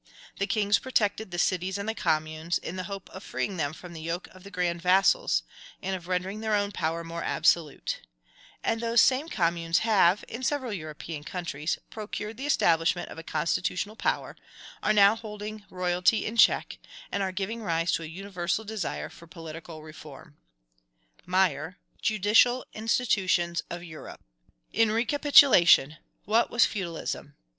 The kings protected the cities and the communes, in the hope of freeing them from the yoke of the grand vassals, and of rendering their own power more absolute; and those same communes have, in several European countries, procured the establishment of a constitutional power, are now holding royalty in check, and are giving rise to a universal desire for political reform." Meyer: Judicial Institutions of Europe. In recapitulation. What was feudalism?